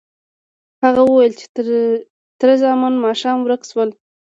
هغه وویل چې تره زامن ماښام ورک شول.